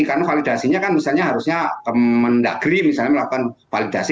karena validasinya kan misalnya harusnya mendagri misalnya melakukan validasi